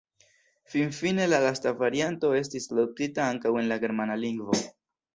Finfine la lasta varianto estis adoptita ankaŭ en la germana lingvo.